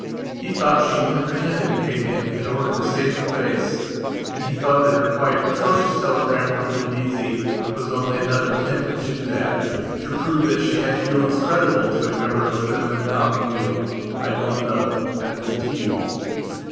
He thought she only pretended to hate him in order to save her face and he thought that her quite atrocious telegram from Brindisi was only another attempt to do thatto prove that she had feelings creditable to a member of the feminine commonweal. I don't know. I leave it to you.